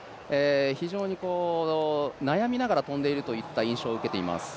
非常に悩みながら跳んでいるといった印象を受けています。